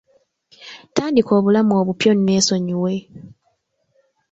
Tandika obulamu obupya oneesonyiwe.